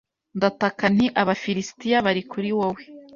ndataka nti "Abafilisitiya bari kuri wowe